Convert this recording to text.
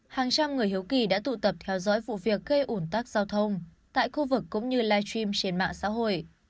hàng trăm người hiếu kỳ đã tụ tập theo dõi vụ việc gây ủn tắc giao thông tại khu vực cũng như live stream trên mạng xã hội